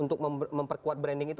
untuk memperkuat branding itu